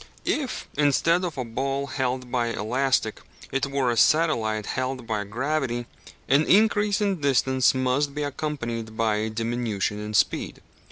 If, instead of a ball held by elastic, it were a satellite held by gravity, an increase in distance must be accompanied by a diminution in speed.